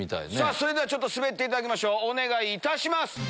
それでは滑っていただきましょうお願いいたします！